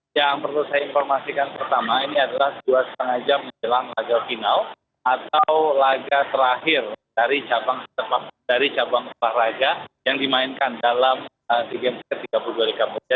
yang perlu saya informasikan pertama ini adalah dua lima jam menjelang laga final atau laga terakhir dari cabang olahraga yang dimainkan dalam sea games ke tiga puluh dua di kamboja